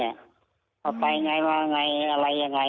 เขาไปไงมาไงอะไรยังไง